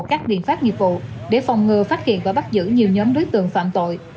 các biện pháp nghiệp vụ để phòng ngừa phát hiện và bắt giữ nhiều nhóm đối tượng phạm tội